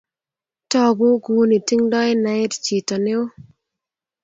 togu kuuni tingdoi naet chito ne oo